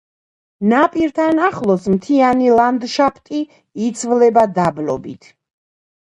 ნაპირთან ახლოს მთიანი ლანდშაფტი იცვლება დაბლობით.